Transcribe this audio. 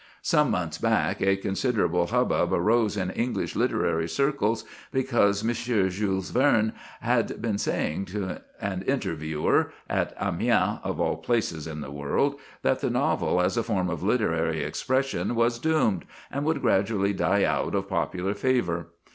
Some months back a considerable hubbub arose in English literary circles because M. Jules Verne had been saying to an interviewer, at Amiens of all places in the world! that the novel as a form of literary expression was doomed, and would gradually die out of popular favour.